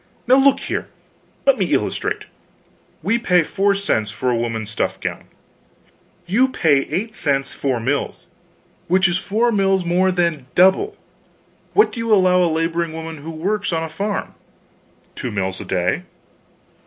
Now look here let me illustrate. We pay four cents for a woman's stuff gown, you pay 8.4.0, which is four mills more than double. What do you allow a laboring woman who works on a farm?" "Two mills a day."